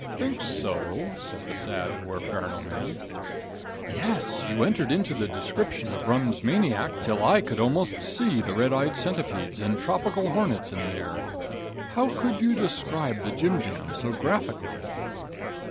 "Think so?" said the sad Huerferno man. "Yes, you entered into the description of rum's maniac till I could almost see the red eyed centipedes and tropical hornets in the air. How could you describe the jimjams so graphically?"